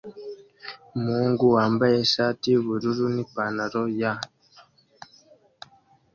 Umuhungu wambaye ishati yubururu nipantaro year